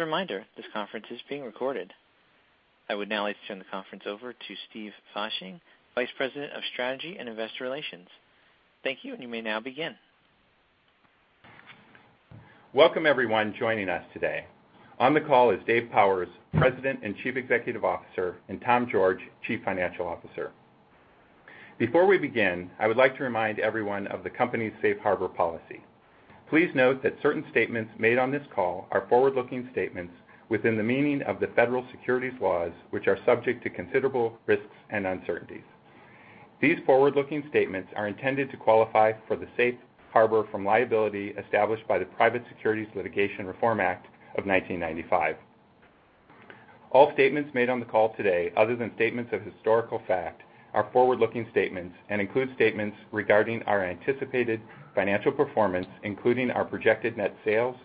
Reminder, this conference is being recorded. I would now like to turn the conference over to Steve Fasching, Vice President of Strategy and Investor Relations. Thank you, and you may now begin. Welcome everyone joining us today. On the call is Dave Powers, President and Chief Executive Officer, and Tom George, Chief Financial Officer. Before we begin, I would like to remind everyone of the company's safe harbor policy. Please note that certain statements made on this call are forward-looking statements within the meaning of the federal securities laws, which are subject to considerable risks and uncertainties. These forward-looking statements are intended to qualify for the safe harbor from liability established by the Private Securities Litigation Reform Act of 1995. All statements made on the call today, other than statements of historical fact, are forward-looking statements and include statements regarding our anticipated financial performance, including our projected net sales,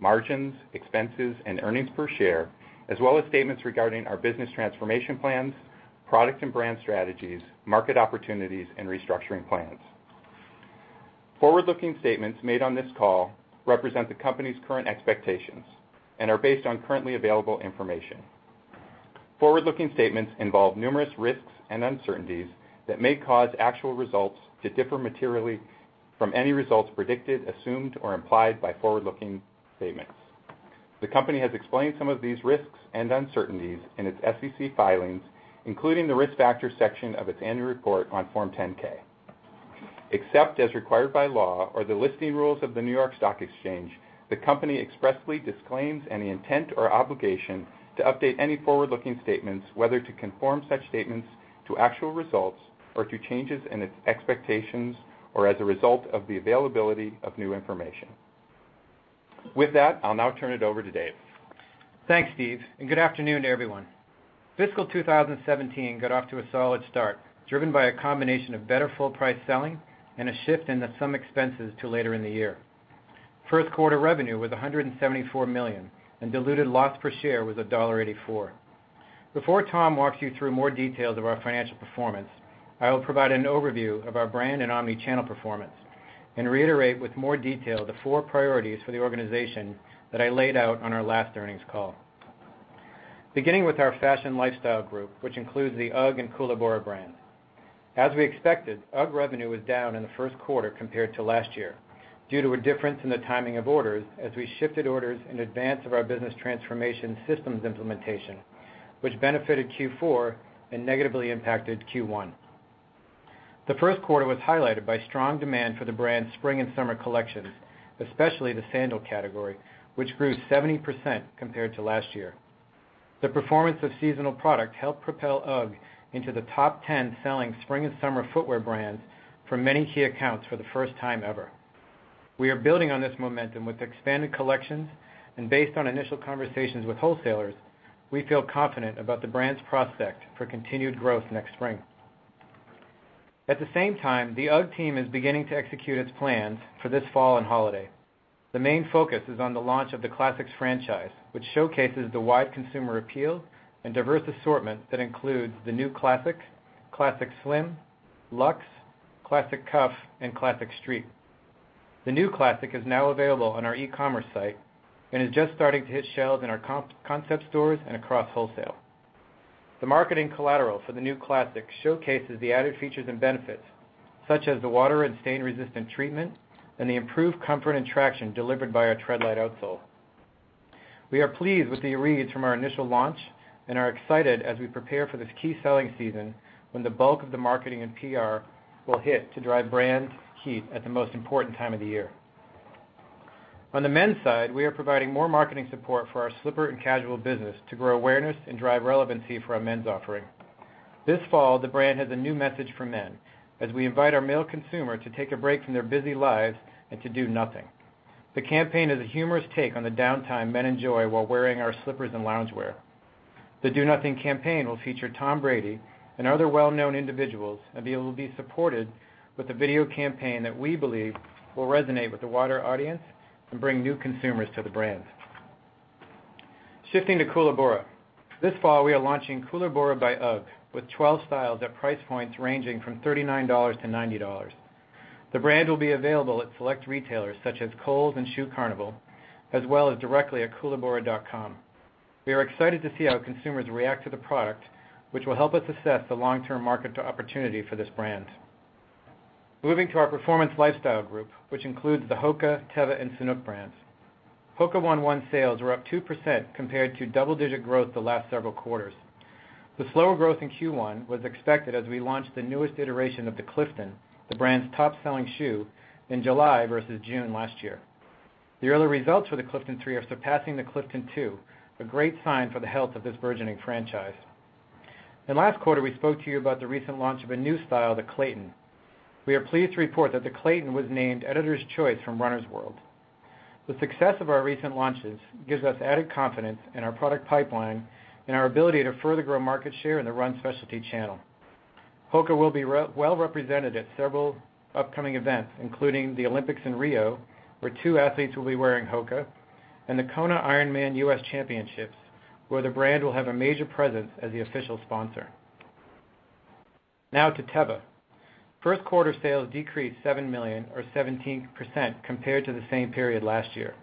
margins, expenses, and earnings per share, as well as statements regarding our business transformation plans, product and brand strategies, market opportunities, and restructuring plans. Forward-looking statements made on this call represent the company's current expectations and are based on currently available information. Forward-looking statements involve numerous risks and uncertainties that may cause actual results to differ materially from any results predicted, assumed, or implied by forward-looking statements. The company has explained some of these risks and uncertainties in its SEC filings, including the risk factors section of its annual report on Form 10-K. Except as required by law or the listing rules of the New York Stock Exchange, the company expressly disclaims any intent or obligation to update any forward-looking statements, whether to conform such statements to actual results or to changes in its expectations, or as a result of the availability of new information. With that, I'll now turn it over to Dave. Thanks, Steve. Good afternoon to everyone. Fiscal 2017 got off to a solid start, driven by a combination of better full price selling and a shift in the sum expenses to later in the year. First quarter revenue was $174 million, and diluted loss per share was $1.84. Before Tom walks you through more details of our financial performance, I will provide an overview of our brand and omni-channel performance and reiterate with more detail the four priorities for the organization that I laid out on our last earnings call. Beginning with our Fashion Lifestyle Group, which includes the UGG and Koolaburra brands. As we expected, UGG revenue was down in the first quarter compared to last year due to a difference in the timing of orders as we shifted orders in advance of our business transformation systems implementation, which benefited Q4 and negatively impacted Q1. The first quarter was highlighted by strong demand for the brand's spring and summer collections, especially the sandal category, which grew 70% compared to last year. The performance of seasonal product helped propel UGG into the top 10 selling spring and summer footwear brands for many key accounts for the first time ever. We are building on this momentum with expanded collections. Based on initial conversations with wholesalers, we feel confident about the brand's prospect for continued growth next spring. At the same time, the UGG team is beginning to execute its plans for this fall and holiday. The main focus is on the launch of the Classics franchise, which showcases the wide consumer appeal and diverse assortment that includes the New Classic Slim, Luxe, Classic Cuff, and Classic Street. The New Classic is now available on our e-commerce site and is just starting to hit shelves in our concept stores and across wholesale. The marketing collateral for the New Classic showcases the added features and benefits, such as the water and stain-resistant treatment and the improved comfort and traction delivered by our Treadlite outsole. We are pleased with the reads from our initial launch and are excited as we prepare for this key selling season, when the bulk of the marketing and PR will hit to drive brand heat at the most important time of the year. On the men's side, we are providing more marketing support for our slipper and casual business to grow awareness and drive relevancy for our men's offering. This fall, the brand has a new message for men, as we invite our male consumer to take a break from their busy lives and to do nothing. The campaign is a humorous take on the downtime men enjoy while wearing our slippers and loungewear. The Do Nothing campaign will feature Tom Brady and other well-known individuals. It will be supported with a video campaign that we believe will resonate with the wider audience and bring new consumers to the brand. Shifting to Koolaburra. This fall, we are launching Koolaburra by UGG with 12 styles at price points ranging from $39 to $90. The brand will be available at select retailers such as Kohl's and Shoe Carnival, as well as directly at koolaburra.com. We are excited to see how consumers react to the product, which will help us assess the long-term market opportunity for this brand. Moving to our Performance Lifestyle Group, which includes the HOKA, Teva, and Sanuk brands. HOKA ONE ONE sales were up 2% compared to double-digit growth the last several quarters. The slower growth in Q1 was expected as we launched the newest iteration of the Clifton, the brand's top-selling shoe, in July versus June last year. The early results for the Clifton 3 are surpassing the Clifton 2, a great sign for the health of this burgeoning franchise. In the last quarter, we spoke to you about the recent launch of a new style, the Clayton. We are pleased to report that the Clayton was named Editors' Choice from Runner's World. The success of our recent launches gives us added confidence in our product pipeline and our ability to further grow market share in the run specialty channel. HOKA will be well represented at several upcoming events, including the Olympics in Rio, where two athletes will be wearing HOKA, and the Kona IRONMAN U.S. Championships, where the brand will have a major presence as the official sponsor. Now to Teva. First quarter sales decreased $7 million or 17% compared to the same period last year.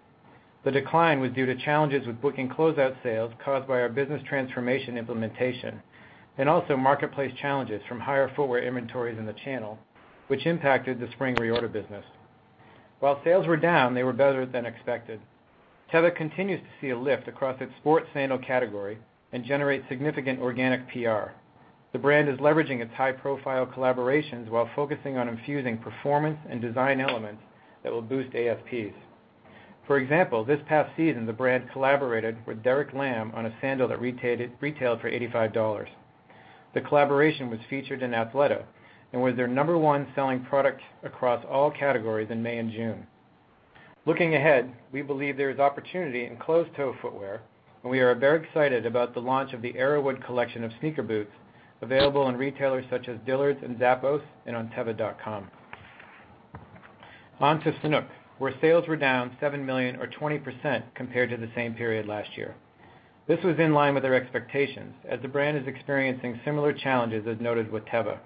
The decline was due to challenges with booking closeout sales caused by our business transformation implementation, and also marketplace challenges from higher footwear inventories in the channel, which impacted the spring reorder business. While sales were down, they were better than expected. Teva continues to see a lift across its sports sandal category and generates significant organic PR. The brand is leveraging its high-profile collaborations while focusing on infusing performance and design elements that will boost ASPs. For example, this past season, the brand collaborated with Derek Lam on a sandal that retailed for $85. The collaboration was featured in Athleta and was their number 1 selling product across all categories in May and June. Looking ahead, we believe there is opportunity in closed-toe footwear, and we are very excited about the launch of the Arrowood collection of sneaker boots available in retailers such as Dillard's and Zappos and on teva.com. On to Sanuk, where sales were down $7 million or 20% compared to the same period last year. This was in line with our expectations, as the brand is experiencing similar challenges as noted with Teva.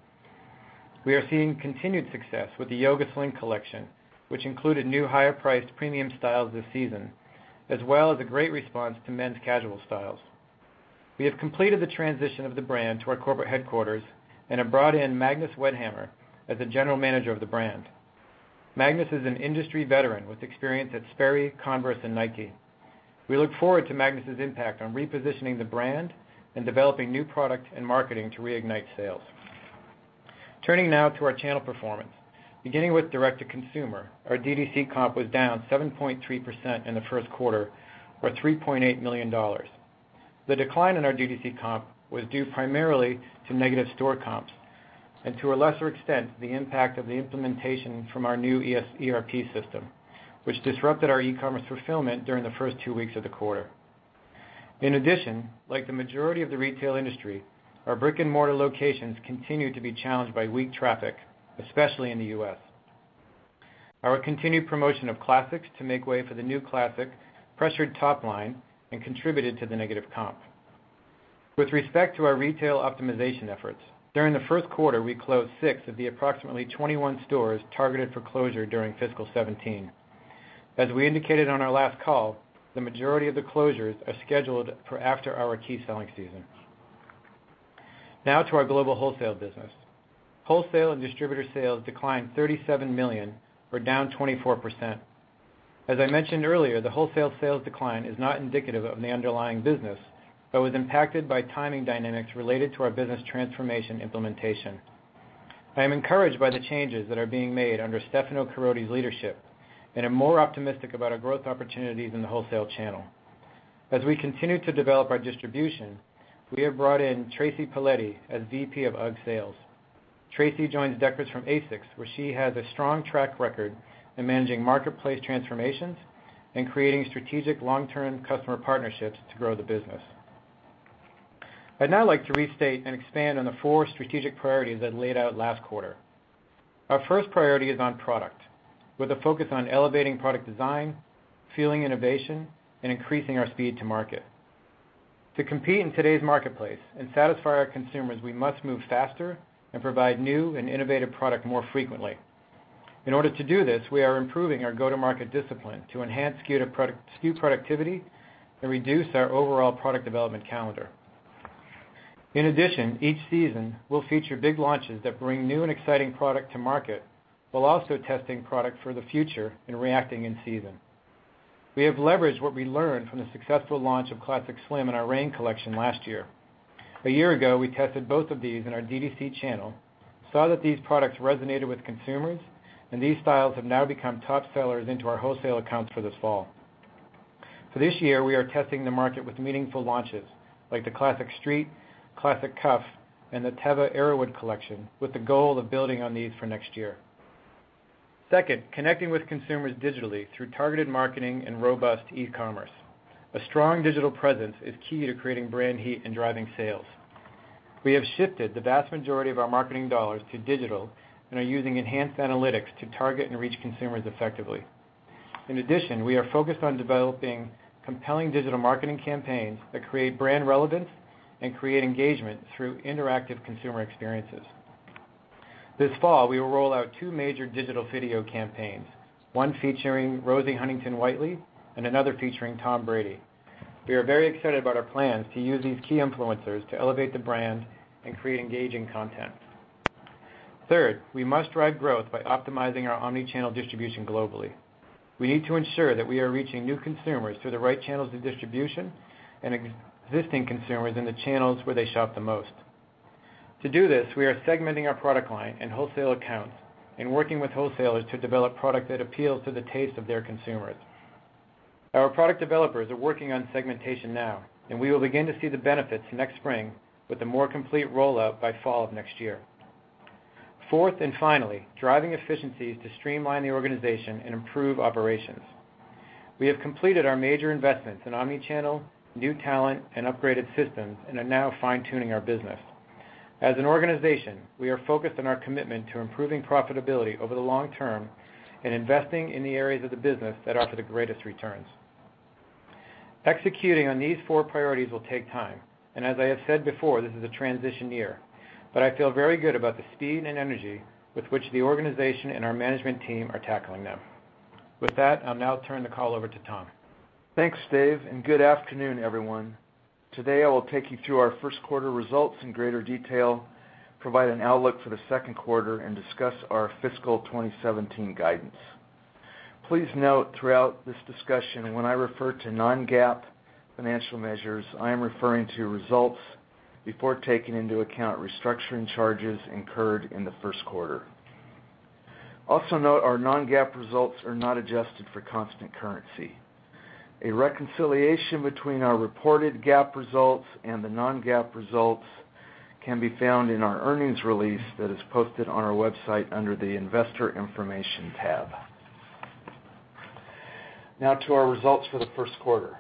We are seeing continued success with the Yoga Sling collection, which included new higher-priced premium styles this season, as well as a great response to men's casual styles. We have completed the transition of the brand to our corporate headquarters and have brought in Magnus Wedhammar as the general manager of the brand. Magnus is an industry veteran with experience at Sperry, Converse, and Nike. We look forward to Magnus' impact on repositioning the brand and developing new product and marketing to reignite sales. Turning now to our channel performance. Beginning with direct-to-consumer, our D2C comp was down 7.3% in the first quarter or $3.8 million. The decline in our D2C comp was due primarily to negative store comps and, to a lesser extent, the impact of the implementation from our new ERP system, which disrupted our e-commerce fulfillment during the first two weeks of the quarter. In addition, like the majority of the retail industry, our brick-and-mortar locations continue to be challenged by weak traffic, especially in the U.S. Our continued promotion of classics to make way for the New Classic pressured top line and contributed to the negative comp. With respect to our retail optimization efforts, during the first quarter, we closed six of the approximately 21 stores targeted for closure during fiscal 2017. As we indicated on our last call, the majority of the closures are scheduled for after our key selling season. Now to our global wholesale business. Wholesale and distributor sales declined $37 million or down 24%. As I mentioned earlier, the wholesale sales decline is not indicative of the underlying business, but was impacted by timing dynamics related to our business transformation implementation. I am encouraged by the changes that are being made under Stefano Caroti's leadership and am more optimistic about our growth opportunities in the wholesale channel. As we continue to develop our distribution, we have brought in Tracy Paoletti as VP of UGG Sales. Tracy joins Deckers from ASICS, where she has a strong track record in managing marketplace transformations and creating strategic long-term customer partnerships to grow the business. I'd now like to restate and expand on the four strategic priorities I laid out last quarter. Our first priority is on product, with a focus on elevating product design, fueling innovation, and increasing our speed to market. To compete in today's marketplace and satisfy our consumers, we must move faster and provide new and innovative product more frequently. In order to do this, we are improving our go-to-market discipline to enhance SKU productivity and reduce our overall product development calendar. In addition, each season will feature big launches that bring new and exciting product to market, while also testing product for the future and reacting in season. We have leveraged what we learned from the successful launch of Classic Slim and our Rain collection last year. A year ago, we tested both of these in our D2C channel, saw that these products resonated with consumers, and these styles have now become top sellers into our wholesale accounts for this fall. For this year, we are testing the market with meaningful launches, like the Classic Street, Classic Cuff, and the Teva Arrowood collection, with the goal of building on these for next year. Second, connecting with consumers digitally through targeted marketing and robust e-commerce. A strong digital presence is key to creating brand heat and driving sales. We have shifted the vast majority of our marketing dollars to digital and are using enhanced analytics to target and reach consumers effectively. In addition, we are focused on developing compelling digital marketing campaigns that create brand relevance and create engagement through interactive consumer experiences. This fall, we will roll out two major digital video campaigns, one featuring Rosie Huntington-Whiteley and another featuring Tom Brady. We are very excited about our plans to use these key influencers to elevate the brand and create engaging content. Third, we must drive growth by optimizing our Omni-Channel distribution globally. We need to ensure that we are reaching new consumers through the right channels of distribution and existing consumers in the channels where they shop the most. To do this, we are segmenting our product line and wholesale accounts and working with wholesalers to develop product that appeals to the taste of their consumers. Our product developers are working on segmentation now, and we will begin to see the benefits next spring with a more complete rollout by fall of next year. Fourth and finally, driving efficiencies to streamline the organization and improve operations. We have completed our major investments in Omni-Channel, new talent, and upgraded systems and are now fine-tuning our business. As an organization, we are focused on our commitment to improving profitability over the long term and investing in the areas of the business that offer the greatest returns. Executing on these four priorities will take time, and as I have said before, this is a transition year. I feel very good about the speed and energy with which the organization and our management team are tackling them. With that, I'll now turn the call over to Tom. Thanks, Dave. Good afternoon, everyone. Today, I will take you through our first quarter results in greater detail, provide an outlook for the second quarter, and discuss our fiscal 2017 guidance. Please note throughout this discussion, when I refer to non-GAAP financial measures, I am referring to results before taking into account restructuring charges incurred in the first quarter. Also note our non-GAAP results are not adjusted for constant currency. A reconciliation between our reported GAAP results and the non-GAAP results can be found in our earnings release that is posted on our website under the Investor Information tab. Now to our results for the first quarter.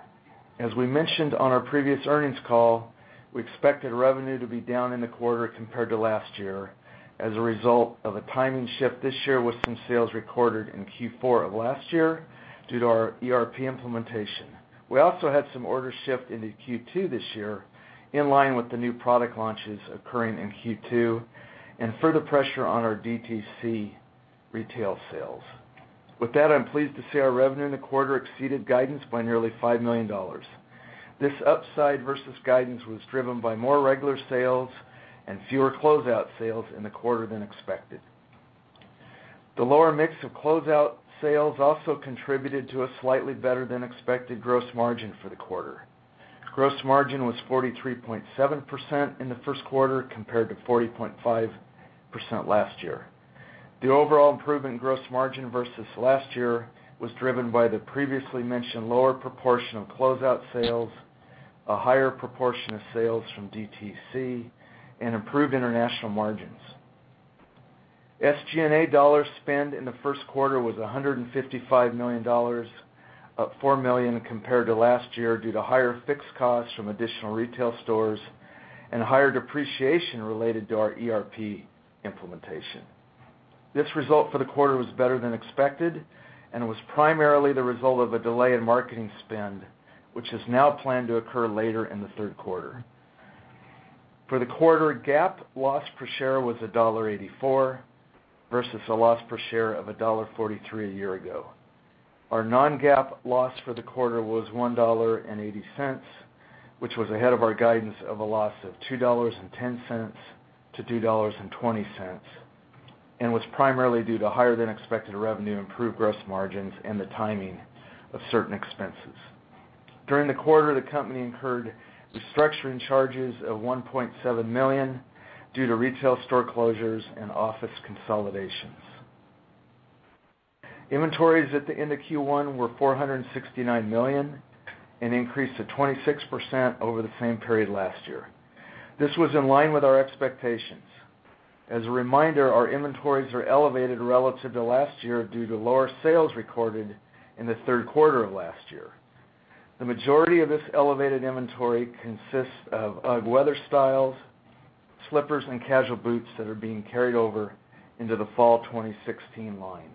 As we mentioned on our previous earnings call, we expected revenue to be down in the quarter compared to last year as a result of a timing shift this year with some sales recorded in Q4 of last year due to our ERP implementation. We also had some orders shift into Q2 this year, in line with the new product launches occurring in Q2 and further pressure on our DTC retail sales. With that, I'm pleased to say our revenue in the quarter exceeded guidance by nearly $5 million. This upside versus guidance was driven by more regular sales and fewer closeout sales in the quarter than expected. The lower mix of closeout sales also contributed to a slightly better than expected gross margin for the quarter. Gross margin was 43.7% in the first quarter, compared to 40.5% last year. The overall improvement in gross margin versus last year was driven by the previously mentioned lower proportion of closeout sales, a higher proportion of sales from DTC, and improved international margins. SG&A dollars spend in the first quarter was $155 million, up $4 million compared to last year due to higher fixed costs from additional retail stores and higher depreciation related to our ERP implementation. This result for the quarter was better than expected and was primarily the result of a delay in marketing spend, which is now planned to occur later in the third quarter. For the quarter, GAAP loss per share was $1.84 versus a loss per share of $1.43 a year ago. Our non-GAAP loss for the quarter was $1.80, which was ahead of our guidance of a loss of $2.10-$2.20, and was primarily due to higher than expected revenue, improved gross margins, and the timing of certain expenses. During the quarter, the company incurred restructuring charges of $1.7 million due to retail store closures and office consolidations. Inventories at the end of Q1 were $469 million, an increase of 26% over the same period last year. This was in line with our expectations. As a reminder, our inventories are elevated relative to last year due to lower sales recorded in the third quarter of last year. The majority of this elevated inventory consists of UGG weather styles, slippers, and casual boots that are being carried over into the fall 2016 line.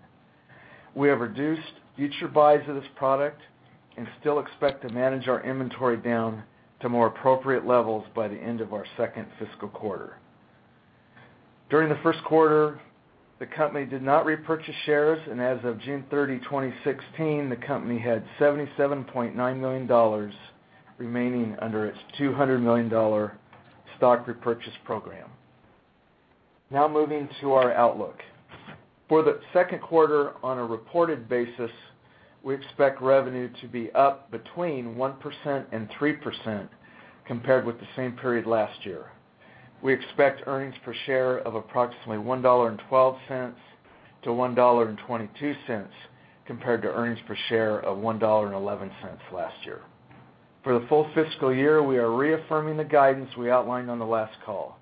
We have reduced future buys of this product and still expect to manage our inventory down to more appropriate levels by the end of our second fiscal quarter. During the first quarter, the company did not repurchase shares, and as of June 30, 2016, the company had $77.9 million remaining under its $200 million stock repurchase program. Moving to our outlook. For the second quarter, on a reported basis, we expect revenue to be up between 1%-3% compared with the same period last year. We expect earnings per share of approximately $1.12-$1.22, compared to earnings per share of $1.11 last year. For the full fiscal year, we are reaffirming the guidance we outlined on the last call.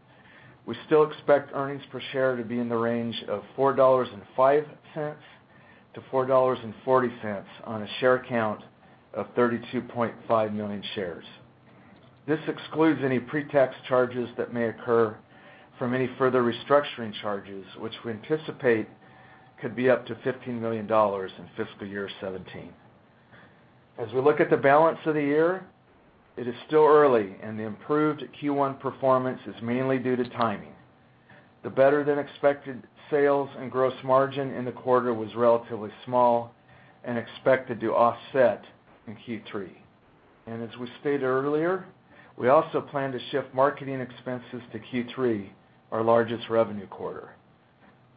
We still expect earnings per share to be in the range of $4.05-$4.40 on a share count of 32.5 million shares. This excludes any pre-tax charges that may occur from any further restructuring charges, which we anticipate could be up to $15 million in fiscal year 2017. We look at the balance of the year, it is still early and the improved Q1 performance is mainly due to timing. The better-than-expected sales and gross margin in the quarter was relatively small and expected to offset in Q3. As we stated earlier, we also plan to shift marketing expenses to Q3, our largest revenue quarter.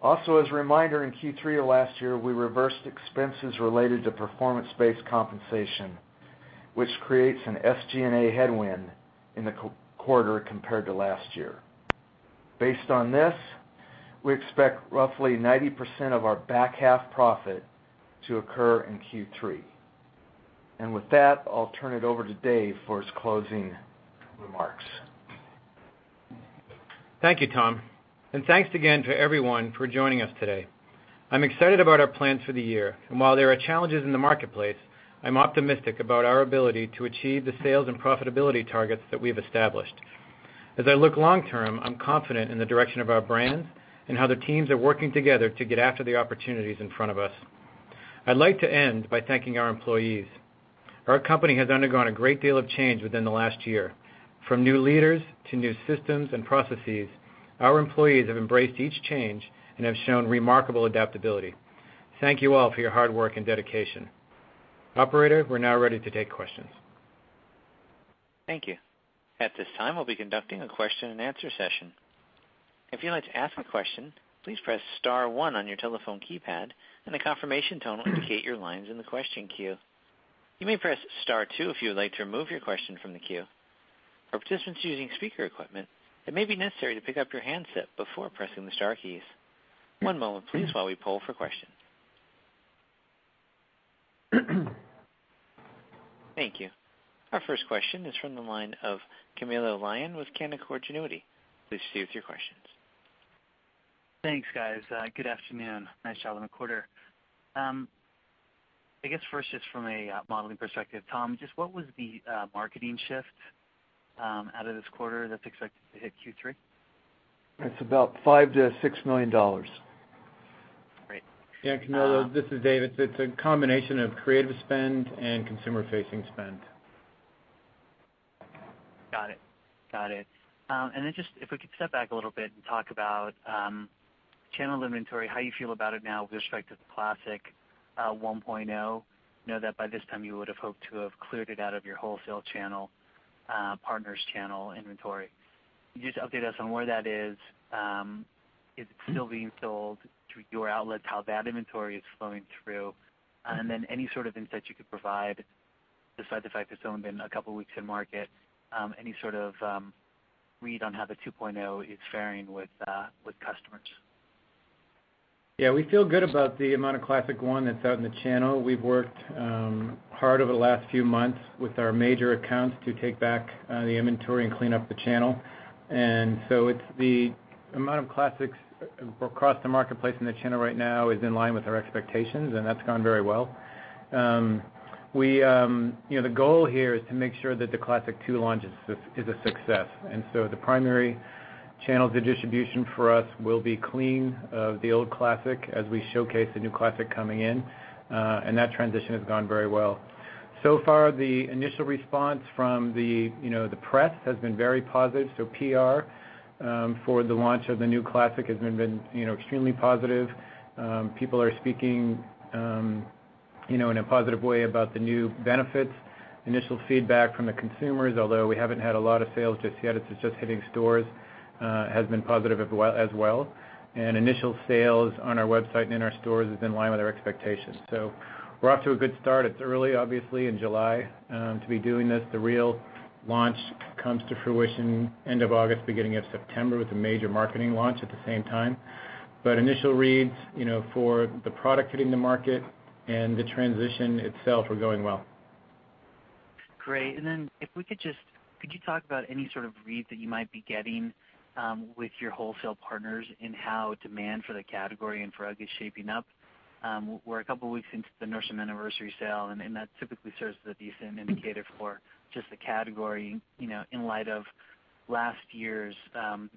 Also, as a reminder, in Q3 of last year, we reversed expenses related to performance-based compensation, which creates an SG&A headwind in the quarter compared to last year. Based on this, we expect roughly 90% of our back half profit to occur in Q3. With that, I'll turn it over to Dave for his closing remarks. Thank you, Tom. Thanks again to everyone for joining us today. I'm excited about our plans for the year, and while there are challenges in the marketplace, I'm optimistic about our ability to achieve the sales and profitability targets that we have established. I look long term, I'm confident in the direction of our brands and how the teams are working together to get after the opportunities in front of us. I'd like to end by thanking our employees. Our company has undergone a great deal of change within the last year, from new leaders to new systems and processes. Our employees have embraced each change and have shown remarkable adaptability. Thank you all for your hard work and dedication. Operator, we're now ready to take questions. Thank you. At this time, we'll be conducting a question and answer session. If you'd like to ask a question, please press star 1 on your telephone keypad, and a confirmation tone will indicate your line's in the question queue. You may press star 2 if you would like to remove your question from the queue. For participants using speaker equipment, it may be necessary to pick up your handset before pressing the star keys. One moment please, while we poll for questions. Thank you. Our first question is from the line of Camilo Lyon with Canaccord Genuity. Please proceed with your questions. Thanks, guys. Good afternoon. Nice job on the quarter. I guess first, just from a modeling perspective, Tom, just what was the marketing shift out of this quarter that's expected to hit Q3? It's about $5 million to $6 million. Great. Yeah, Camilo, this is Dave. It's a combination of creative spend and consumer-facing spend. Got it. Just, if we could step back a little bit and talk about channel inventory, how you feel about it now with respect to the Classic 1.0. Know that by this time you would've hoped to have cleared it out of your wholesale channel, partners' channel inventory. Can you just update us on where that is? Is it still being sold through your outlets? How that inventory is flowing through? Then any sort of insight you could provide besides the fact it's only been a couple of weeks in market, any sort of read on how the 2.0 is faring with customers? Yeah. We feel good about the amount of Classic 1 that's out in the channel. We've worked hard over the last few months with our major accounts to take back the inventory and clean up the channel. It's the amount of Classics across the marketplace in the channel right now is in line with our expectations, and that's gone very well. The goal here is to make sure that the Classic 2 launch is a success. The primary channels of distribution for us will be clean of the old Classic as we showcase the new Classic coming in. That transition has gone very well. Far, the initial response from the press has been very positive. PR for the launch of the new Classic has been extremely positive. People are speaking in a positive way about the new benefits. Initial feedback from the consumers, although we haven't had a lot of sales just yet, it's just hitting stores, has been positive as well. Initial sales on our website and in our stores is in line with our expectations. We're off to a good start. It's early, obviously, in July to be doing this. The real launch comes to fruition end of August, beginning of September, with a major marketing launch at the same time. Initial reads for the product hitting the market and the transition itself are going well. Great. Could you talk about any sort of read that you might be getting with your wholesale partners in how demand for the category and for UGG is shaping up? We're a couple of weeks into the Nordstrom Anniversary Sale, and that typically serves as a decent indicator for just the category in light of last year's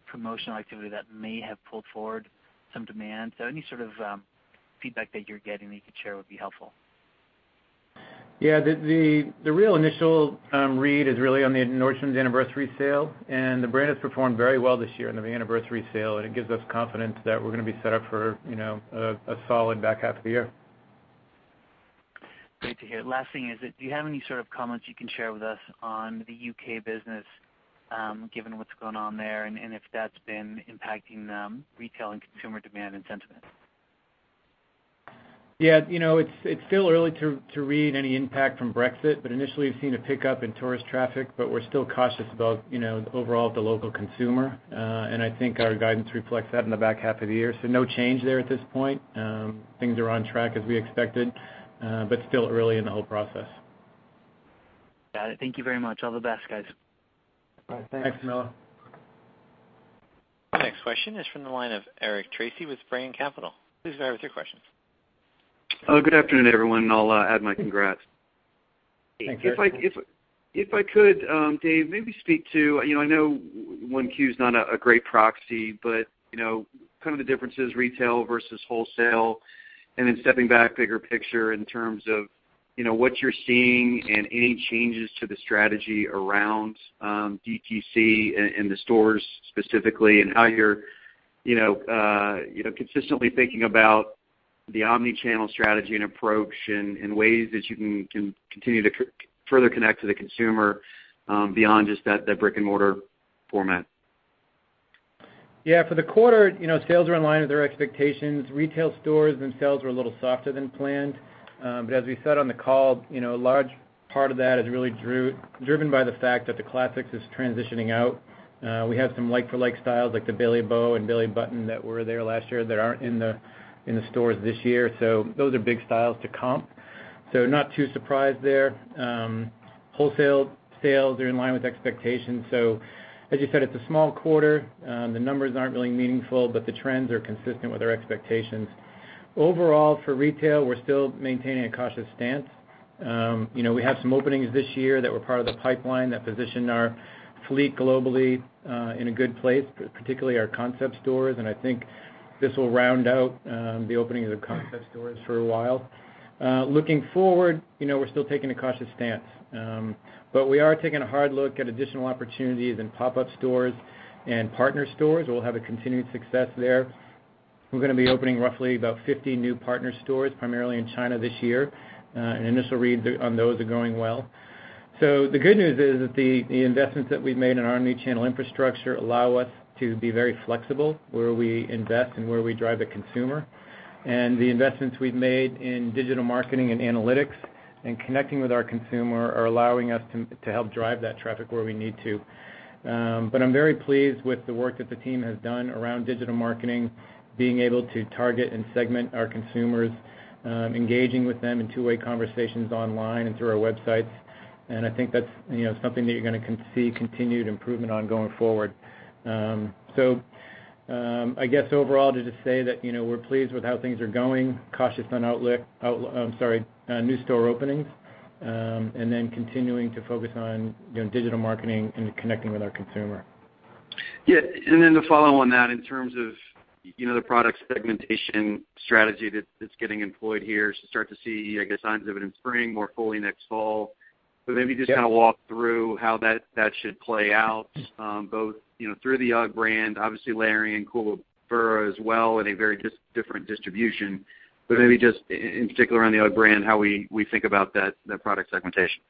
promotional activity that may have pulled forward some demand. Any sort of feedback that you're getting that you could share would be helpful. Yeah. The real initial read is really on the Nordstrom's anniversary sale. The brand has performed very well this year in the anniversary sale. It gives us confidence that we're going to be set up for a solid back half of the year. Great to hear. Last thing is, do you have any sort of comments you can share with us on the U.K. business, given what's going on there, if that's been impacting retail and consumer demand and sentiment? Yeah. It's still early to read any impact from Brexit. Initially we've seen a pickup in tourist traffic. We're still cautious about overall the local consumer. I think our guidance reflects that in the back half of the year. No change there at this point. Things are on track as we expected. Still early in the whole process. Got it. Thank you very much. All the best, guys. All right. Thanks. Thanks, Camilo. Our next question is from the line of Eric Tracy with Brean Capital. Please go ahead with your questions. Good afternoon, everyone, and I'll add my congrats. Thanks, Eric. If I could, Dave, maybe speak to, I know 1Q's not a great proxy, kind of the differences retail versus wholesale, and then stepping back bigger picture in terms of what you're seeing and any changes to the strategy around DTC in the stores specifically, and how you're consistently thinking about the omni-channel strategy and approach in ways that you can continue to further connect to the consumer, beyond just that brick and mortar format. For the quarter, sales are in line with our expectations. Retail stores themselves were a little softer than planned. As we said on the call, a large part of that is really driven by the fact that the Classics is transitioning out. We have some like-for-like styles like the Bailey Bow and Bailey Button that were there last year that aren't in the stores this year. Those are big styles to comp. Not too surprised there. Wholesale sales are in line with expectations. As you said, it's a small quarter. The numbers aren't really meaningful, the trends are consistent with our expectations. Overall, for retail, we're still maintaining a cautious stance. We have some openings this year that were part of the pipeline that position our fleet globally in a good place, particularly our concept stores, I think this will round out the openings of concept stores for a while. Looking forward, we're still taking a cautious stance. We are taking a hard look at additional opportunities in pop-up stores and partner stores. We'll have a continued success there. We're going to be opening roughly about 50 new partner stores, primarily in China this year. An initial read on those are going well. The good news is that the investments that we've made in our new channel infrastructure allow us to be very flexible where we invest and where we drive the consumer. The investments we've made in digital marketing and analytics and connecting with our consumer are allowing us to help drive that traffic where we need to. I'm very pleased with the work that the team has done around digital marketing, being able to target and segment our consumers, engaging with them in two-way conversations online and through our websites. I think that's something that you're going to see continued improvement on going forward. I guess overall, to just say that, we're pleased with how things are going, cautious on new store openings, and then continuing to focus on digital marketing and connecting with our consumer. Yeah. To follow on that, in terms of the product segmentation strategy that's getting employed here. Start to see, I guess, signs of it in spring, more fully next fall. Maybe just kind of walk through how that should play out both through the UGG brand, obviously layering in Koolaburra as well in a very different distribution. Maybe just in particular on the UGG brand, how we think about that product segmentation.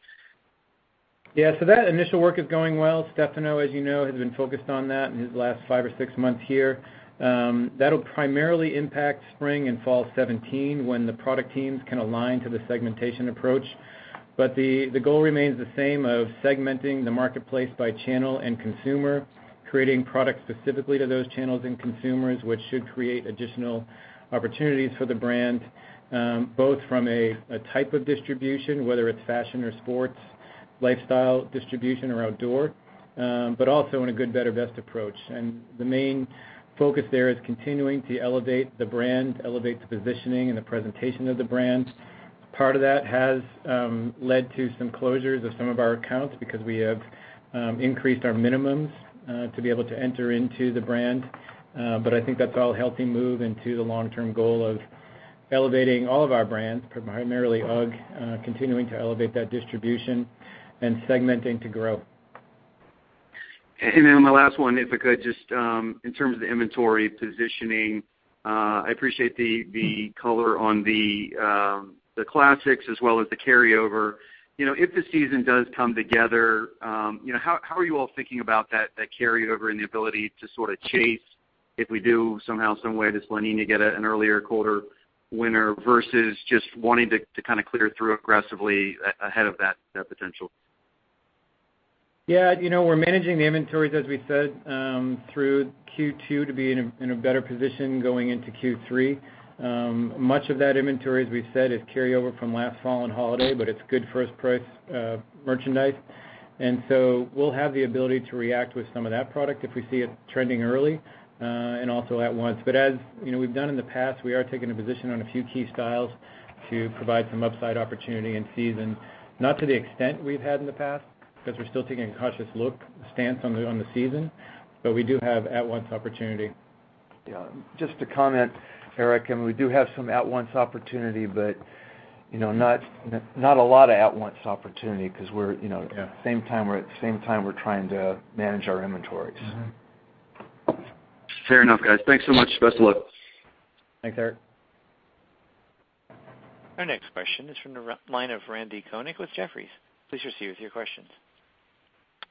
Yeah. That initial work is going well. Stefano, as you know, has been focused on that in his last five or six months here. That'll primarily impact spring and fall 2017, when the product teams can align to the segmentation approach. The goal remains the same of segmenting the marketplace by channel and consumer, creating products specifically to those channels and consumers, which should create additional opportunities for the brand, both from a type of distribution, whether it's fashion or sports, lifestyle distribution or outdoor. Also in a good, better, best approach. The main focus there is continuing to elevate the brand, elevate the positioning and the presentation of the brand. Part of that has led to some closures of some of our accounts because we have increased our minimums to be able to enter into the brand. I think that's all a healthy move into the long-term goal of elevating all of our brands, primarily UGG, continuing to elevate that distribution and segmenting to grow. My last one, if I could, just in terms of the inventory positioning. I appreciate the color on the classics as well as the carryover. If the season does come together, how are you all thinking about that carryover and the ability to sort of chase if we do somehow, some way, this La Niña get an earlier colder winter versus just wanting to kind of clear through aggressively ahead of that potential? Yeah. We're managing the inventories, as we said, through Q2 to be in a better position going into Q3. Much of that inventory, as we've said, is carryover from last fall and holiday, but it's good first-price merchandise. So we'll have the ability to react with some of that product if we see it trending early, and also at once. As we've done in the past, we are taking a position on a few key styles to provide some upside opportunity in season. Not to the extent we've had in the past, because we're still taking a cautious look, stance on the season, we do have at-once opportunity. Yeah. Just to comment, Eric, we do have some at-once opportunity, but not a lot of at-once opportunity because at the same time we're trying to manage our inventories. Mm-hmm. Fair enough, guys. Thanks so much. Best of luck. Thanks, Eric. Our next question is from the line of Randy Konik with Jefferies. Please proceed with your questions.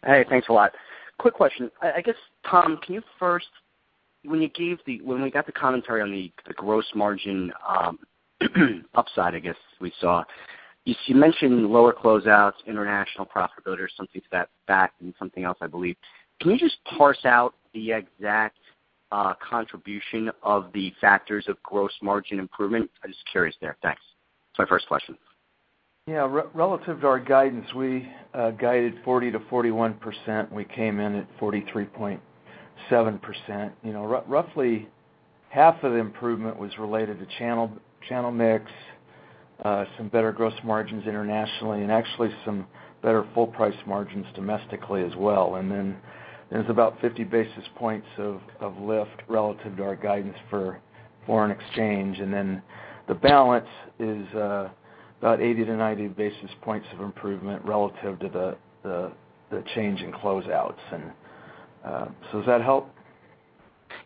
Hey, thanks a lot. Quick question. I guess, Tom, can you first, when we got the commentary on the gross margin upside, I guess we saw, you mentioned lower closeouts, international profitability or something to that effect and something else, I believe. Can you just parse out the exact contribution of the factors of gross margin improvement? I'm just curious there. Thanks. That's my first question. Yeah. Relative to our guidance, we guided 40%-41%. We came in at 43.7%. Roughly half of the improvement was related to channel mix, some better gross margins internationally, and actually some better full-price margins domestically as well. There's about 50 basis points of lift relative to our guidance for foreign exchange. The balance is about 80-90 basis points of improvement relative to the change in closeouts. Does that help?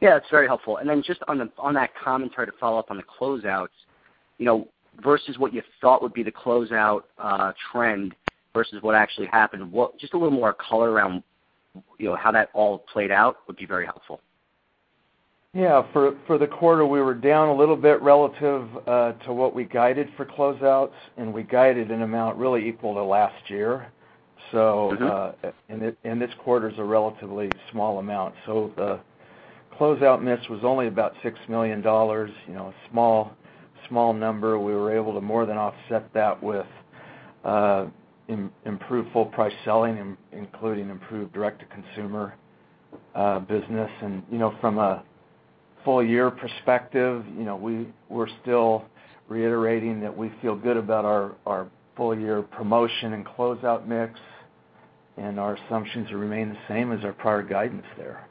That's very helpful. Just on that commentary to follow up on the closeouts. Versus what you thought would be the closeout trend versus what actually happened, just a little more color around how that all played out would be very helpful. Yeah. For the quarter, we were down a little bit relative to what we guided for closeouts. We guided an amount really equal to last year. This quarter's a relatively small amount. The closeout miss was only about $6 million. A small number. We were able to more than offset that with improved full-price selling, including improved direct-to-consumer business. From a full year perspective, we're still reiterating that we feel good about our full year promotion and closeout mix, and our assumptions remain the same as our prior guidance there.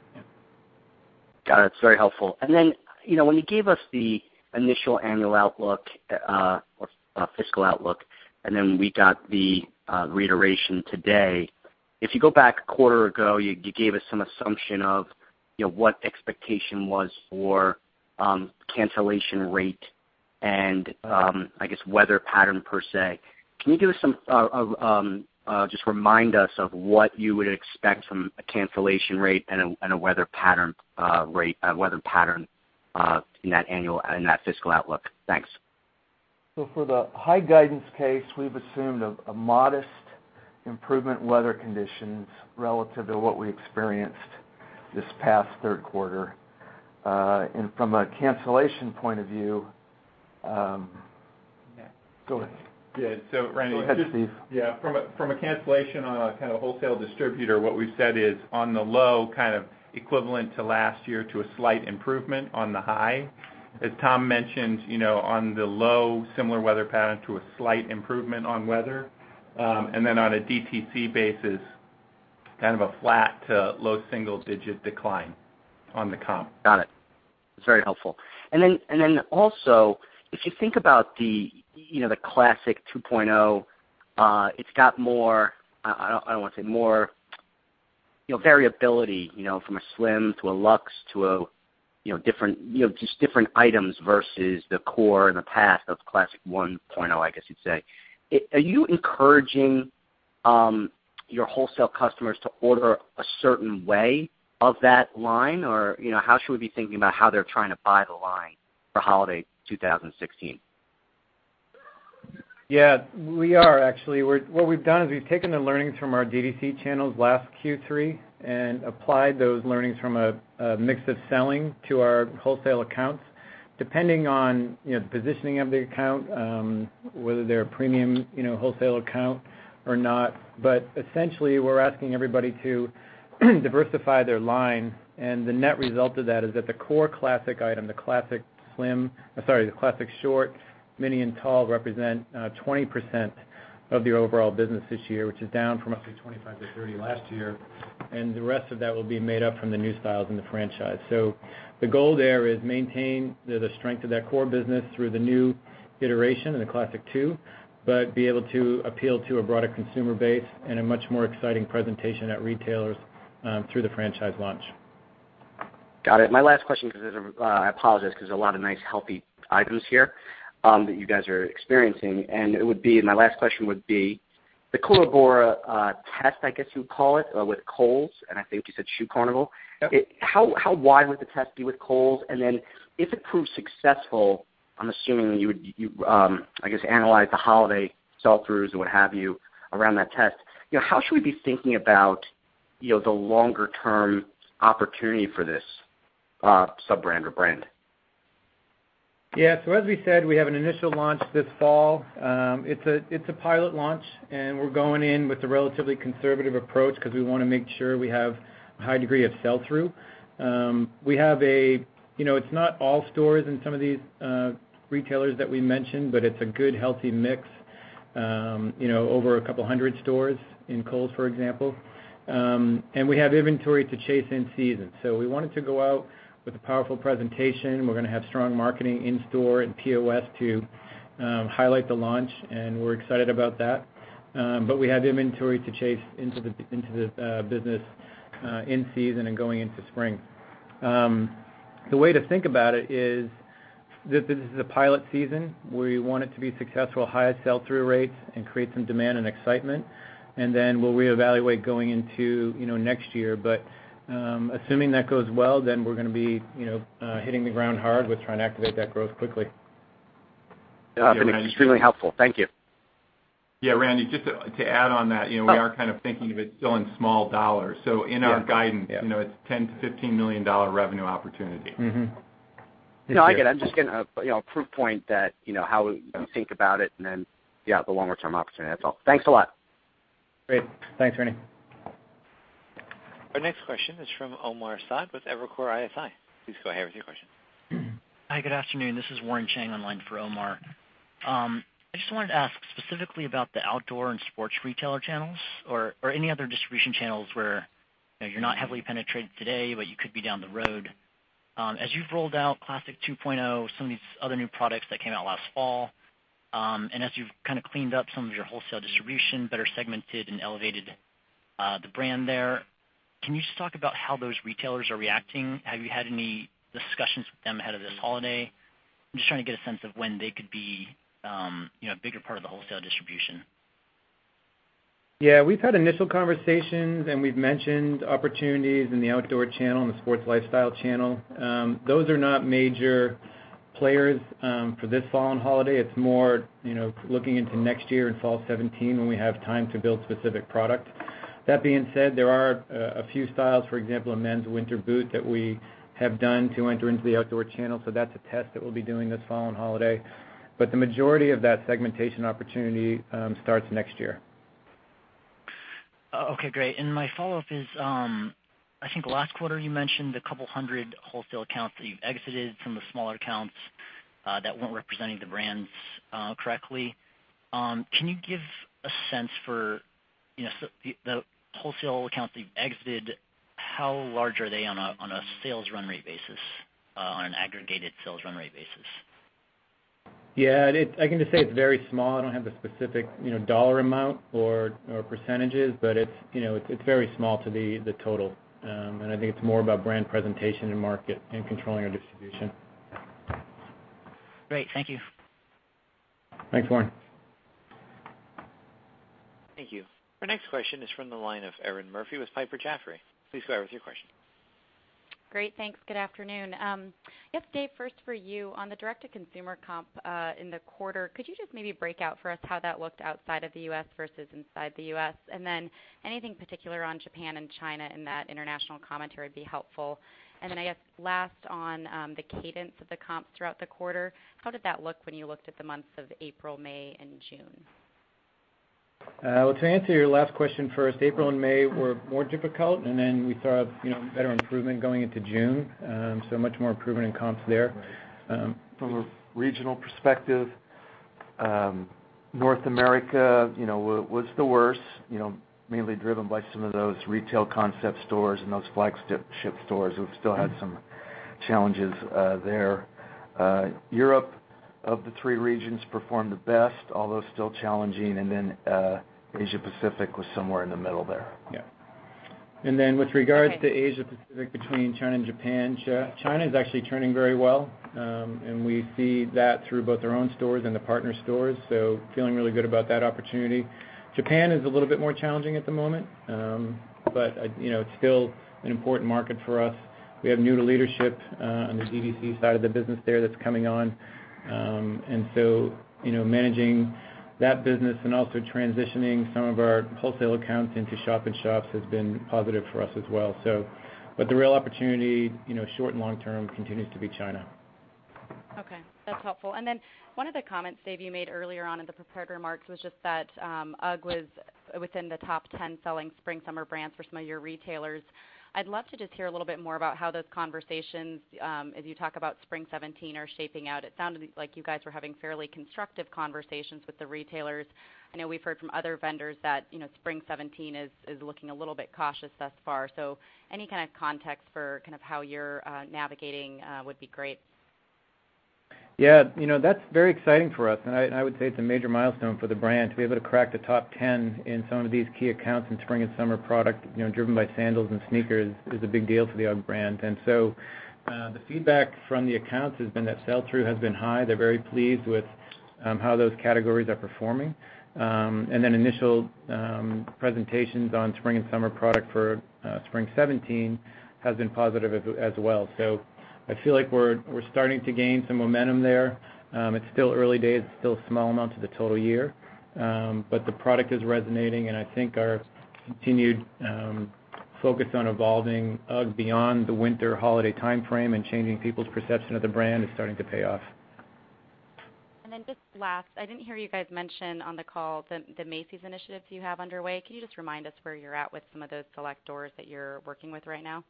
Got it. That's very helpful. Then, when you gave us the initial annual outlook or fiscal outlook, and then we got the reiteration today. If you go back a quarter ago, you gave us some assumption of what expectation was for cancellation rate and, I guess, weather pattern per se. Can you just remind us of what you would expect from a cancellation rate and a weather pattern in that fiscal outlook? Thanks. For the high guidance case, we've assumed a modest improvement in weather conditions relative to what we experienced this past third quarter. From a cancellation point of view Go ahead. Yeah. Randy. Go ahead, Steve. Yeah. From a cancellation on a kind of wholesale distributor, what we've said is on the low kind of equivalent to last year to a slight improvement on the high. As Tom mentioned, on the low similar weather pattern to a slight improvement on weather. On a DTC basis, kind of a flat to low single-digit decline on the comp. Got it. That's very helpful. Also, if you think about the Classic 2.0, it's got more, I don't want to say more, variability from a Slim to a Luxe to just different items versus the core in the past of Classic 1.0, I guess you'd say. Are you encouraging your wholesale customers to order a certain way of that line? How should we be thinking about how they're trying to buy the line for holiday 2016? Yeah. We are actually. What we've done is we've taken the learnings from our DTC channels last Q3 and applied those learnings from a mix of selling to our wholesale accounts, depending on positioning of the account, whether they're a premium wholesale account or not. Essentially, we're asking everybody to diversify their line, and the net result of that is that the core Classic item, the Classic Short, Mini, and Tall, represent 20% of the overall business this year, which is down from up to 25%-30% last year, and the rest of that will be made up from the new styles in the franchise. The goal there is maintain the strength of that core business through the new iteration in the Classic 2, but be able to appeal to a broader consumer base and a much more exciting presentation at retailers through the franchise launch. Got it. My last question, I apologize because a lot of nice healthy items here that you guys are experiencing. My last question would be the Koolaburra test, I guess you would call it, with Kohl's, and I think you said Shoe Carnival. Yep. How wide would the test be with Kohl's? Then if it proves successful, I'm assuming you would, I guess, analyze the holiday sell-throughs or what have you around that test. How should we be thinking about the longer-term opportunity for this sub-brand or brand? Yeah. As we said, we have an initial launch this fall. It's a pilot launch, we're going in with a relatively conservative approach because we want to make sure we have a high degree of sell-through. It's not all stores in some of these retailers that we mentioned, but it's a good, healthy mix, over a couple of hundred stores in Kohl's, for example. We have inventory to chase in season. We wanted to go out with a powerful presentation. We're going to have strong marketing in store and POS to highlight the launch, we're excited about that. We have inventory to chase into the business in season and going into spring. The way to think about it is this is a pilot season. We want it to be successful, high sell-through rates, and create some demand and excitement. Then we'll reevaluate going into next year. Assuming that goes well, we're going to be hitting the ground hard with trying to activate that growth quickly. Yeah. For me, extremely helpful. Thank you. Randy, just to add on that, we are kind of thinking of it still in small dollars. In our guidance- Yeah it's a $10 million-$15 million revenue opportunity. No, I get it. I'm just getting a proof point that, how we think about it, and then yeah, the longer-term opportunity. That's all. Thanks a lot. Great. Thanks, Randy. Our next question is from Omar Saad with Evercore ISI. Please go ahead with your question. Hi, good afternoon. This is Warren Cheng online for Omar. I just wanted to ask specifically about the outdoor and sports retailer channels or any other distribution channels where you're not heavily penetrated today, but you could be down the road. As you've rolled out Classic 2.0, some of these other new products that came out last fall, as you've kind of cleaned up some of your wholesale distribution, better segmented and elevated the brand there, can you just talk about how those retailers are reacting? Have you had any discussions with them ahead of this holiday? I'm just trying to get a sense of when they could be a bigger part of the wholesale distribution. We've had initial conversations, we've mentioned opportunities in the outdoor channel and the sports lifestyle channel. Those are not major players for this fall and holiday. It's more looking into next year in fall 2017 when we have time to build specific product. That being said, there are a few styles, for example, a men's winter boot that we have done to enter into the outdoor channel. That's a test that we'll be doing this fall and holiday. The majority of that segmentation opportunity starts next year. Okay, great. My follow-up is, I think last quarter you mentioned 200 wholesale accounts that you've exited, some of the smaller accounts that weren't representing the brands correctly. Can you give a sense for the wholesale accounts that you've exited? How large are they on a sales run rate basis, on an aggregated sales run rate basis? Yeah. I can just say it's very small. I don't have the specific dollar amount or percentages, but it's very small to the total. I think it's more about brand presentation in market and controlling our distribution. Great. Thank you. Thanks, Warren. Thank you. Our next question is from the line of Erinn Murphy with Piper Jaffray. Please go ahead with your question. Great. Thanks. Good afternoon. Yes, Dave, first for you. On the direct-to-consumer comp in the quarter, could you just maybe break out for us how that looked outside of the U.S. versus inside the U.S.? Anything particular on Japan and China in that international commentary would be helpful. I guess last, on the cadence of the comps throughout the quarter, how did that look when you looked at the months of April, May, and June? Well, to answer your last question first, April and May were more difficult, and then we saw a better improvement going into June. Much more improvement in comps there. From a regional perspective, North America was the worst, mainly driven by some of those retail concept stores and those flagship stores who have still had some challenges there. Europe, of the three regions, performed the best, although still challenging, and then Asia-Pacific was somewhere in the middle there. Yeah. With regards to Asia-Pacific, between China and Japan, China's actually turning very well. We see that through both their own stores and the partner stores. Feeling really good about that opportunity. Japan is a little bit more challenging at the moment. It's still an important market for us. We have new leadership on the D2C side of the business there that's coming on. Managing that business and also transitioning some of our wholesale accounts into shop-in-shops has been positive for us as well. The real opportunity, short and long term, continues to be China. Okay, that's helpful. One of the comments, Dave, you made earlier on in the prepared remarks was just that UGG was within the top 10 selling spring/summer brands for some of your retailers. I'd love to just hear a little bit more about how those conversations, as you talk about spring 2017, are shaping out. It sounded like you guys were having fairly constructive conversations with the retailers. I know we've heard from other vendors that spring 2017 is looking a little bit cautious thus far. Any kind of context for how you're navigating would be great. Yeah. That's very exciting for us. I would say it's a major milestone for the brand to be able to crack the top 10 in some of these key accounts in spring and summer product, driven by sandals and sneakers, is a big deal for the UGG brand. The feedback from the accounts has been that sell-through has been high. They're very pleased with how those categories are performing. Initial presentations on spring and summer product for spring 2017 has been positive as well. I feel like we're starting to gain some momentum there. It's still early days, still a small amount to the total year. The product is resonating, and I think our continued focus on evolving UGG beyond the winter holiday timeframe and changing people's perception of the brand is starting to pay off. Just last, I didn't hear you guys mention on the call the Macy's initiatives you have underway. Can you just remind us where you're at with some of those select stores that you're working with right now?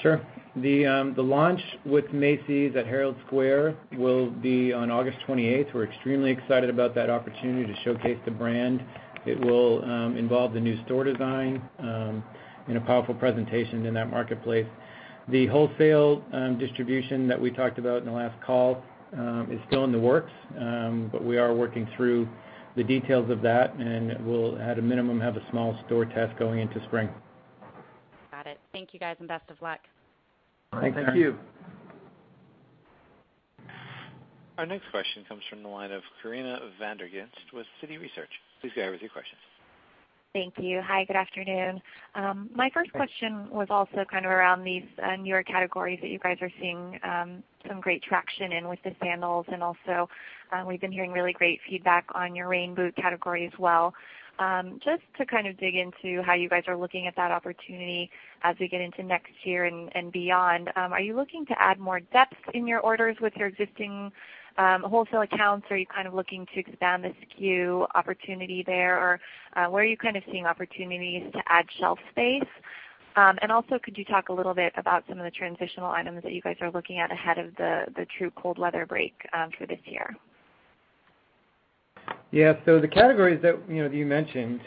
Sure. The launch with Macy's at Herald Square will be on August 28th. We're extremely excited about that opportunity to showcase the brand. It will involve the new store design in a powerful presentation in that marketplace. The wholesale distribution that we talked about in the last call is still in the works. We are working through the details of that, and we'll, at a minimum, have a small store test going into spring. Got it. Thank you guys, and best of luck. Thank you. Thanks, Erinn. Our next question comes from the line of Corinna Van der Ghinst with Citi Research. Please go ahead with your question. Thank you. Hi, good afternoon. Hi. My first question was also kind of around these newer categories that you guys are seeing some great traction in with the sandals, and also, we've been hearing really great feedback on your rain boot category as well. Just to kind of dig into how you guys are looking at that opportunity as we get into next year and beyond, are you looking to add more depth in your orders with your existing wholesale accounts? Are you kind of looking to expand the SKU opportunity there? Or where are you kind of seeing opportunities to add shelf space? Also, could you talk a little bit about some of the transitional items that you guys are looking at ahead of the true cold weather break for this year? Yeah. The categories that you mentioned,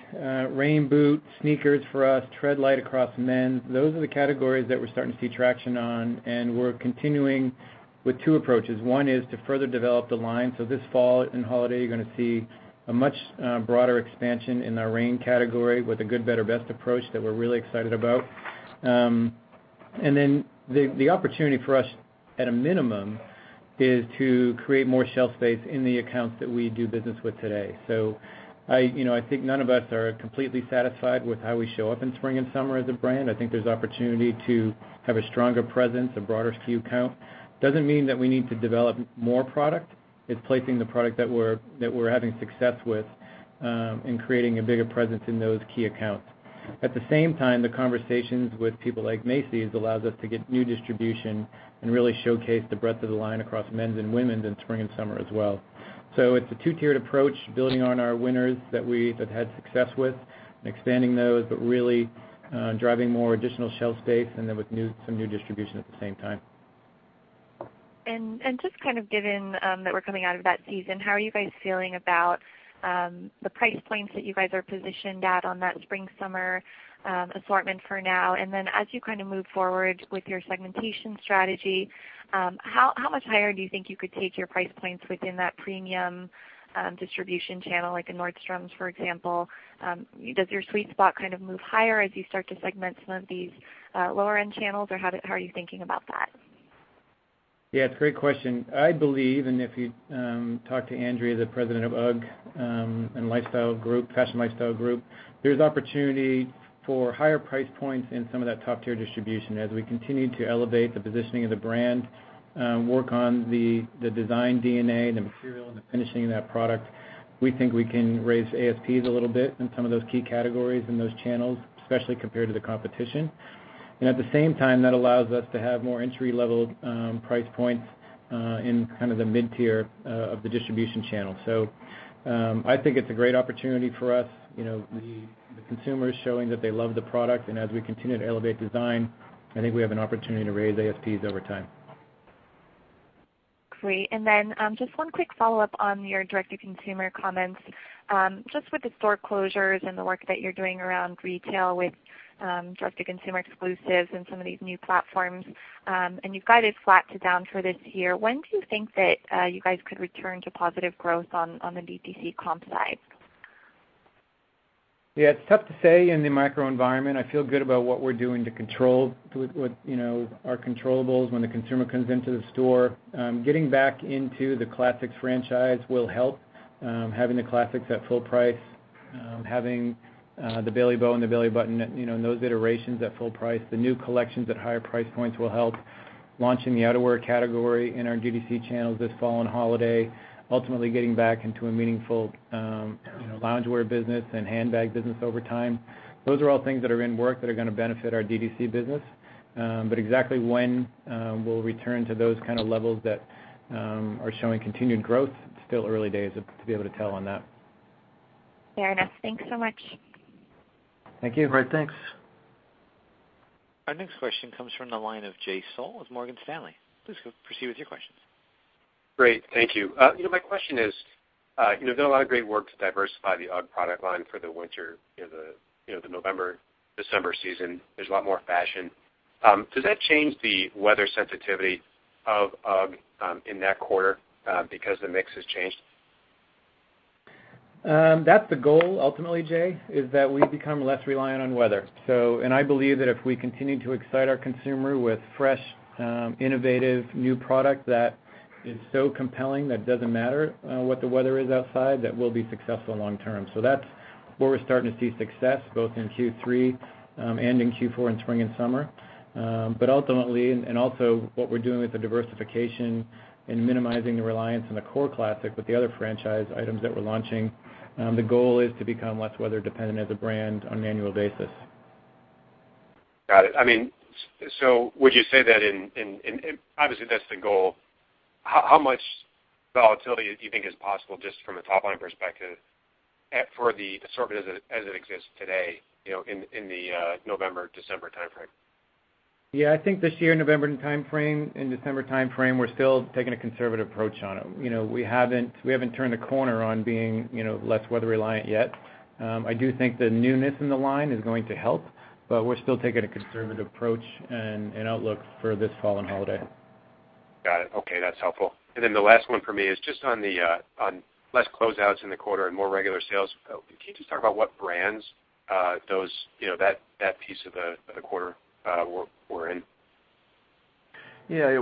rain boots, sneakers for us, Treadlite across men's, those are the categories that we're starting to see traction on, and we're continuing with two approaches. One is to further develop the line. This fall and holiday, you're going to see a much broader expansion in our rain category with a good, better, best approach that we're really excited about. The opportunity for us, at a minimum, is to create more shelf space in the accounts that we do business with today. I think none of us are completely satisfied with how we show up in spring and summer as a brand. I think there's opportunity to have a stronger presence, a broader SKU count. Doesn't mean that we need to develop more product. It's placing the product that we're having success with and creating a bigger presence in those key accounts. At the same time, the conversations with people like Macy's allows us to get new distribution and really showcase the breadth of the line across men's and women's in spring and summer as well. It's a two-tiered approach, building on our winners that we have had success with and expanding those, but really driving more additional shelf space and then with some new distribution at the same time. Just kind of given that we're coming out of that season, how are you guys feeling about the price points that you guys are positioned at on that spring/summer assortment for now? Then as you kind of move forward with your segmentation strategy, how much higher do you think you could take your price points within that premium distribution channel like a Nordstrom's, for example? Does your sweet spot kind of move higher as you start to segment some of these lower-end channels, or how are you thinking about that? Yeah, it's a great question. I believe, and if you talk to Andrea, the president of UGG and Fashion Lifestyle Group, there's opportunity for higher price points in some of that top-tier distribution. As we continue to elevate the positioning of the brand, work on the design DNA, the material, and the finishing of that product, we think we can raise ASPs a little bit in some of those key categories in those channels, especially compared to the competition. At the same time, that allows us to have more entry-level price points in kind of the mid-tier of the distribution channel. I think it's a great opportunity for us. The consumer's showing that they love the product, as we continue to elevate design, I think we have an opportunity to raise ASPs over time. Great. Then just one quick follow-up on your direct-to-consumer comments. Just with the store closures and the work that you're doing around retail with direct-to-consumer exclusives and some of these new platforms, you've guided flat to down for this year, when do you think that you guys could return to positive growth on the DTC comp side? Yeah, it's tough to say in the microenvironment. I feel good about what we're doing to control our controllables when the consumer comes into the store. Getting back into the classics franchise will help. Having the classics at full price, having the Bailey Bow and the Bailey Button, those iterations at full price. The new collections at higher price points will help. Launching the outerwear category in our DTC channels this fall and holiday, ultimately getting back into a meaningful loungewear business and handbag business over time. Those are all things that are in work that are going to benefit our DTC business. Exactly when we'll return to those kind of levels that are showing continued growth, it's still early days to be able to tell on that. Fair enough. Thanks so much. Thank you. Great. Thanks. Our next question comes from the line of Jay Sole with Morgan Stanley. Please proceed with your questions. Great. Thank you. My question is, you've done a lot of great work to diversify the UGG product line for the winter, the November-December season. There's a lot more fashion. Does that change the weather sensitivity of UGG in that quarter because the mix has changed? That's the goal, ultimately, Jay, is that we become less reliant on weather. I believe that if we continue to excite our consumer with fresh, innovative, new product that is so compelling that it doesn't matter what the weather is outside, that we'll be successful long term. That's where we're starting to see success, both in Q3 and in Q4 in spring and summer. Ultimately, and also what we're doing with the diversification and minimizing the reliance on the core classic with the other franchise items that we're launching, the goal is to become less weather dependent as a brand on an annual basis. Got it. Obviously, that's the goal. How much volatility do you think is possible just from a top-line perspective for the assortment as it exists today in the November-December timeframe? I think this year, November timeframe and December timeframe, we're still taking a conservative approach on it. We haven't turned a corner on being less weather reliant yet. I do think the newness in the line is going to help, but we're still taking a conservative approach and outlook for this fall and holiday. Got it. Okay. That's helpful. The last one for me is just on less closeouts in the quarter and more regular sales. Can you just talk about what brands that piece of the quarter were in? Yeah.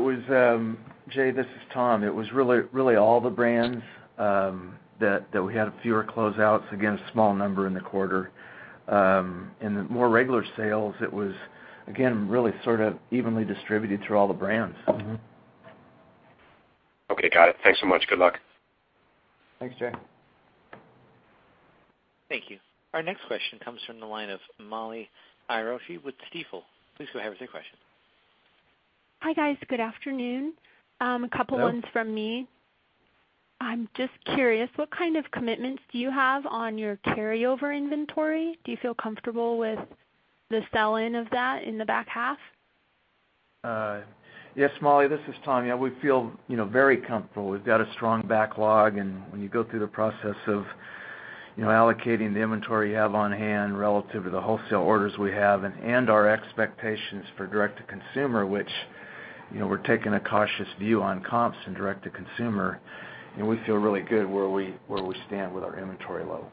Jay, this is Tom. It was really all the brands that we had fewer closeouts. Again, a small number in the quarter. In the more regular sales, it was, again, really sort of evenly distributed through all the brands. Okay. Got it. Thanks so much. Good luck. Thanks, Jay. Thank you. Our next question comes from the line of Molly Iarocci with Stifel. Please go ahead with your question. Hi, guys. Good afternoon. Hello. A couple ones from me. I'm just curious, what kind of commitments do you have on your carryover inventory? Do you feel comfortable with the sell-in of that in the back half? Yes, Molly. This is Tom. Yeah, we feel very comfortable. We've got a strong backlog, when you go through the process of allocating the inventory you have on hand relative to the wholesale orders we have and our expectations for direct to consumer, which we're taking a cautious view on comps in direct to consumer, we feel really good where we stand with our inventory levels.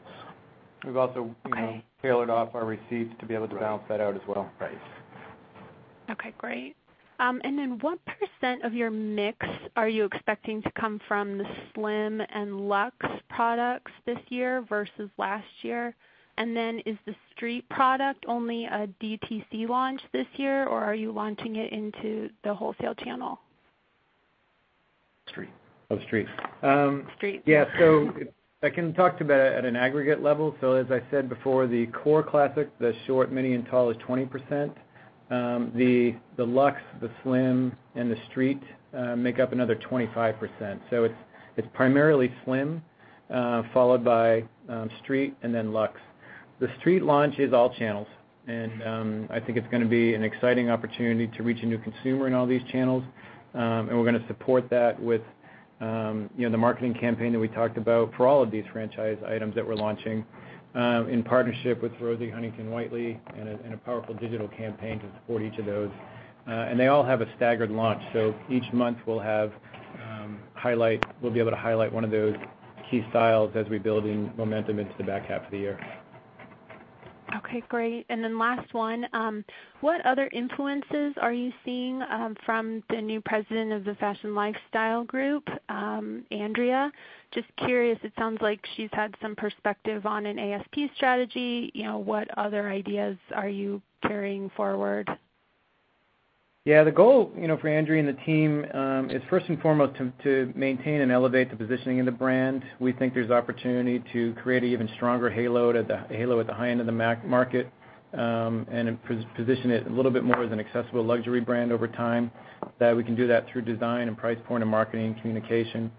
We've also tailored off our receipts to be able to balance that out as well. Right. Okay, great. What % of your mix are you expecting to come from the Slim and Luxe products this year versus last year? Is the Street product only a DTC launch this year, or are you launching it into the wholesale channel? Street. Street. Street. Yeah. I can talk to that at an aggregate level. As I said before, the core Classic, the short, mini, and tall is 20%. The Luxe, the Slim, and the Street make up another 25%. It's primarily Slim, followed by Street and then Luxe. The Street launch is all channels, I think it's going to be an exciting opportunity to reach a new consumer in all these channels. We're going to support that with the marketing campaign that we talked about for all of these franchise items that we're launching in partnership with Rosie Huntington-Whiteley and a powerful digital campaign to support each of those. They all have a staggered launch. Each month, we'll be able to highlight one of those key styles as we're building momentum into the back half of the year. Okay, great. Last one. What other influences are you seeing from the new President of the Fashion Lifestyle Group, Andrea? Just curious, it sounds like she's had some perspective on an ASP strategy. What other ideas are you carrying forward? The goal, for Andrea and the team, is first and foremost to maintain and elevate the positioning of the brand. We think there's opportunity to create an even stronger halo at the high end of the market, and position it a little bit more as an accessible luxury brand over time, that we can do that through design and price point and marketing communication.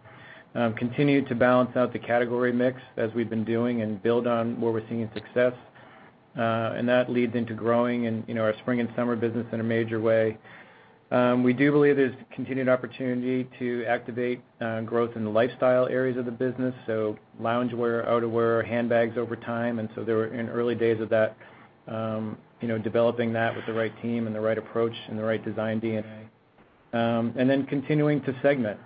Continue to balance out the category mix as we've been doing and build on where we're seeing success. That leads into growing our spring and summer business in a major way. We do believe there's continued opportunity to activate growth in the lifestyle areas of the business. Loungewear, outerwear, handbags over time, they were in early days of that developing that with the right team and the right approach and the right design DNA. Continuing to segment.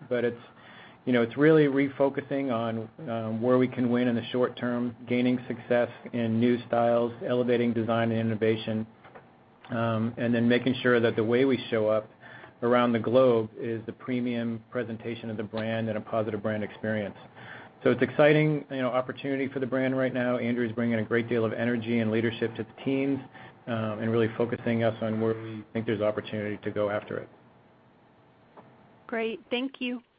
It's really refocusing on where we can win in the short term, gaining success in new styles, elevating design and innovation, making sure that the way we show up around the globe is the premium presentation of the brand and a positive brand experience. It's exciting opportunity for the brand right now. Andrea's bringing a great deal of energy and leadership to the teams, really focusing us on where we think there's opportunity to go after it. Great. Thank you. Thank you.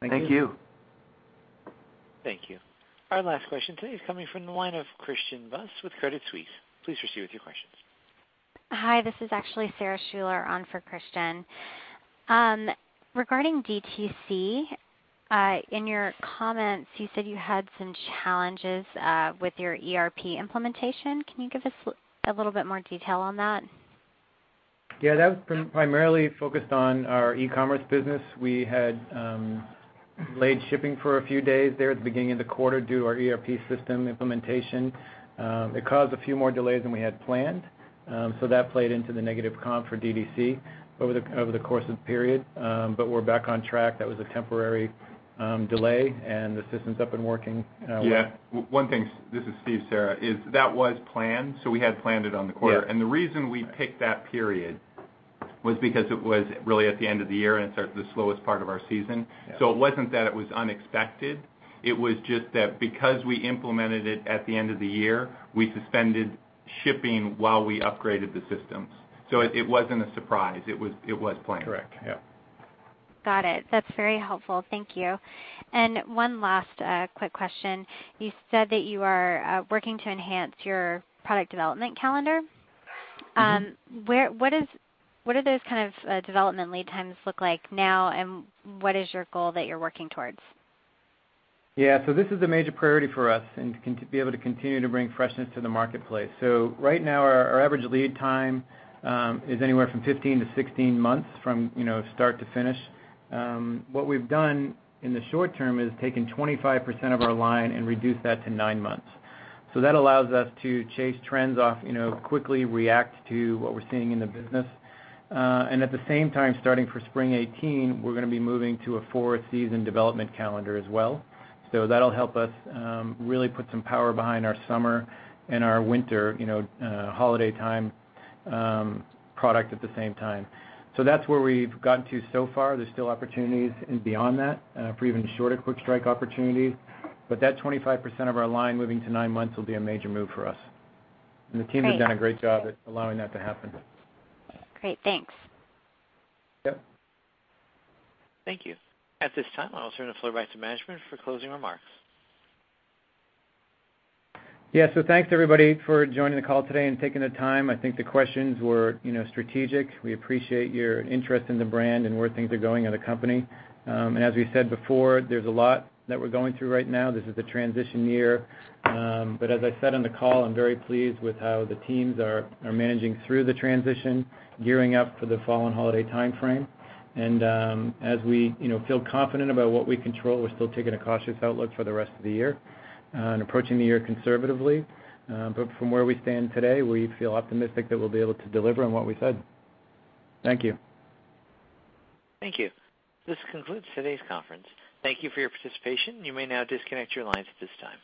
Thank you. Thank you. Our last question today is coming from the line of Christian Buss with Credit Suisse. Please proceed with your questions. Hi, this is actually Sara Schuler on for Christian. Regarding DTC, in your comments, you said you had some challenges with your ERP implementation. Can you give us a little bit more detail on that? That was primarily focused on our e-commerce business. We had delayed shipping for a few days there at the beginning of the quarter due to our ERP system implementation. It caused a few more delays than we had planned. That played into the negative comp for DTC over the course of the period. We're back on track. That was a temporary delay, and the system's up and working well. One thing, this is Steve, Sara, is that was planned. We had planned it on the quarter. Yes. The reason we picked that period was because it was really at the end of the year, and it's the slowest part of our season. Yeah. It wasn't that it was unexpected. It was just that because we implemented it at the end of the year, we suspended shipping while we upgraded the systems. It wasn't a surprise. It was planned. Correct. Yeah. Got it. That's very helpful. Thank you. One last quick question. You said that you are working to enhance your product development calendar. What are those kind of development lead times look like now, and what is your goal that you're working towards? Yeah. This is a major priority for us, and to be able to continue to bring freshness to the marketplace. Right now, our average lead time is anywhere from 15-16 months from start to finish. What we've done in the short term is taken 25% of our line and reduced that to nine months. That allows us to chase trends off, quickly react to what we're seeing in the business. At the same time, starting for spring 2018, we're going to be moving to a four-season development calendar as well. That'll help us really put some power behind our summer and our winter, holiday time product at the same time. That's where we've gotten to so far. There's still opportunities beyond that for even shorter quick strike opportunities. That 25% of our line moving to nine months will be a major move for us. Great. The team has done a great job at allowing that to happen. Great. Thanks. Yep. Thank you. At this time, I'll turn the floor back to management for closing remarks. Yeah. Thanks everybody for joining the call today and taking the time. I think the questions were strategic. We appreciate your interest in the brand and where things are going in the company. As we said before, there's a lot that we're going through right now. This is a transition year. As I said on the call, I'm very pleased with how the teams are managing through the transition, gearing up for the fall and holiday timeframe. As we feel confident about what we control, we're still taking a cautious outlook for the rest of the year and approaching the year conservatively. From where we stand today, we feel optimistic that we'll be able to deliver on what we said. Thank you. Thank you. This concludes today's conference. Thank you for your participation. You may now disconnect your lines at this time.